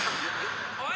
おい！」。